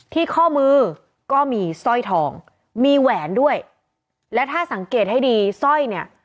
ข้อมือก็มีสร้อยทองมีแหวนด้วยและถ้าสังเกตให้ดีสร้อยเนี่ย